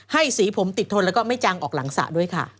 สีผมติดทนแล้วก็ไม่จางออกหลังสระด้วยค่ะ